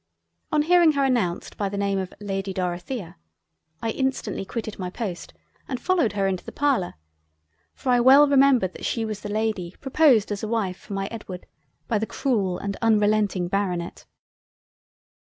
On hearing her announced by the Name of "Lady Dorothea," I instantly quitted my Post and followed her into the Parlour, for I well remembered that she was the Lady, proposed as a Wife for my Edward by the Cruel and Unrelenting Baronet.